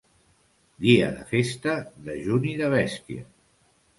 Dia de festa, dejuni de bèstia.